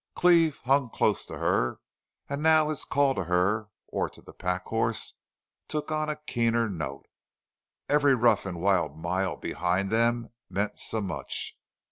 Cleve hung close to her, and now his call to her or to the pack horse took on a keener note. Every rough and wild mile behind them meant so much.